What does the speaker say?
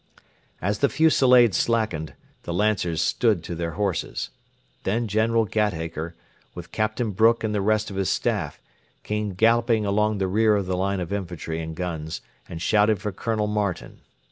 As the fusillade slackened, the Lancers stood to their horses. Then General Gatacre, with Captain Brooke and the rest of his Staff, came galloping along the rear of the line of infantry and guns, and shouted for Colonel Martin.